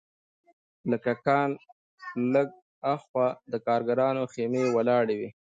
له کان لږ هاخوا د کارګرانو خیمې ولاړې وې